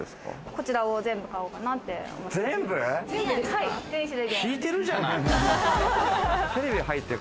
こちらを全部買おうかなって。